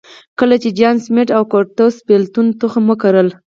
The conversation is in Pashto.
کله چې جان سمېت او کورټس بېلتون تخم وکرل.